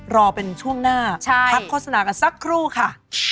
รอเป็นช่วงหน้าพักโฆษณากันสักครู่ค่ะ